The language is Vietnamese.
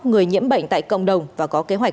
người nhiễm bệnh tại cộng đồng và có kế hoạch